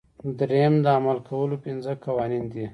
دریم د عمل کولو پنځه قوانین دي.